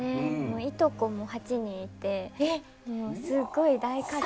いとこも８人いてもうすごい大家族。